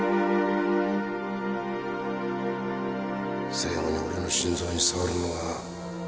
最後に俺の心臓に触るのは